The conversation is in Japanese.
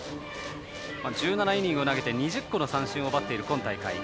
１７イニング投げて２０個の三振を奪っている今大会。